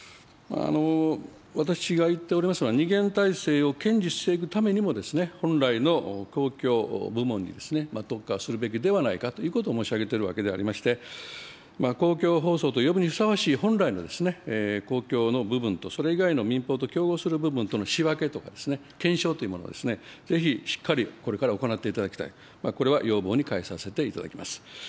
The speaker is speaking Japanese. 私が言っておりますのは、二元体制を堅持していくためにも、本来の公共部門に特化するべきではないかということを申し上げてるわけでありまして、公共放送と呼ぶにふさわしい本来の公共の部分と、それ以外の民放と競合する部分との仕分けとか検証というものを、ぜひしっかりこれから行っていただきたい、これは要望に変えさせていただきます。